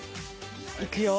いくよ